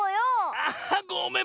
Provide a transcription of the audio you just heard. あごめん！